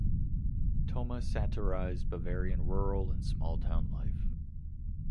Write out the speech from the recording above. Thoma satirized Bavarian rural and small-town life.